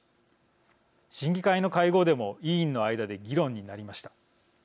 審議会の会合でも委員の間で議論になりました。